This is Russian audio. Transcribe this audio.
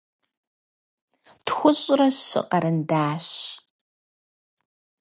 пятьдесят три карандаша